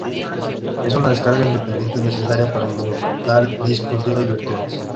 Es una descarga independiente necesaria para montar discos duros virtuales.